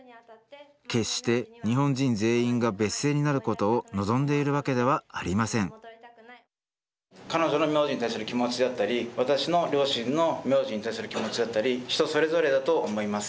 決して日本人全員が別姓になることを望んでいるわけではありません彼女の名字に対する気持ちであったり私の両親の名字に対する気持ちであったり人それぞれだと思います。